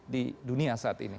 di dunia saat ini